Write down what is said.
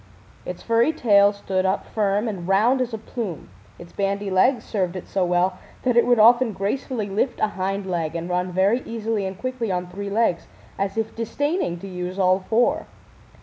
Its furry tail stood up firm and round as a plume, its bandy legs served it so well that it would often gracefully lift a hind leg and run very easily and quickly on three legs, as if disdaining to use all four.